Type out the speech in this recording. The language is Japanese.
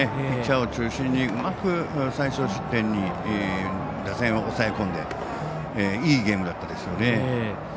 ピッチャーを中心にうまく最少失点に打線を抑え込んでいいゲームだったですよね。